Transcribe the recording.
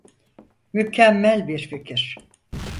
Mükemmel bir fikir.